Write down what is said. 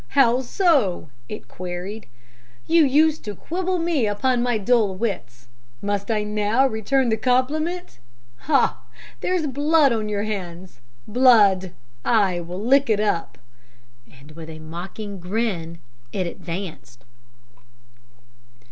'How so?' it queried. 'You used to quibble me upon my dull wits; must I now return the compliment? Ha! There's blood on your hands. Blood! I will lick it up.' And with a mocking grin it advanced.